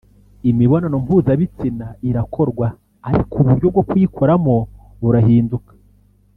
imibonano mpuzabitsina irakorwa ariko uburyo bwo kuyikoramo burahinduka